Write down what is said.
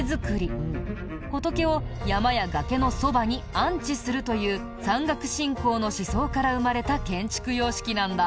仏を山や崖のそばに安置するという山岳信仰の思想から生まれた建築様式なんだ。